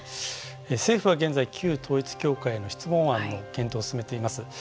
政府は現在、旧統一教会への質問案の検討を進めています。